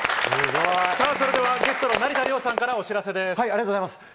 それではゲストの成田凌さんからお知らせです。